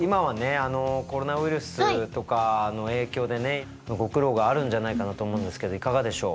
あのコロナウイルスとかの影響でねご苦労があるんじゃないかなと思うんですけどいかがでしょう？